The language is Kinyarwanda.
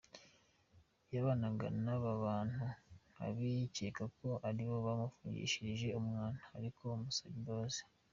Yabanaga n’aba bantu abicyeka ko aribo bamufungishirije umwana, ariko musabye imbabazi.